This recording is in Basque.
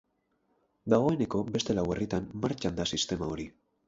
Dagoeneko beste lau herritan martxan da sistema hori.